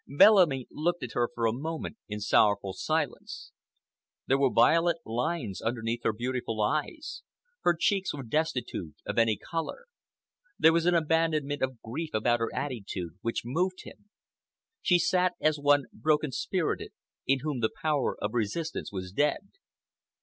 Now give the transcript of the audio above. Bellamy looked at her for a moment in sorrowful silence. There were violet lines underneath her beautiful eyes, her cheeks were destitute of any color. There was an abandonment of grief about her attitude which moved him. She sat as one broken spirited, in whom the power of resistance was dead.